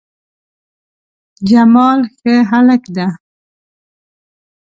جمال ښه هلک ده